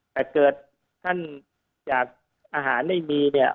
แต่เกิดท่านจากอาหารไม่มีเนี่ย